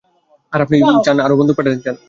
আর আপনি সেখানে আরো বন্দুক পাঠাতে চান?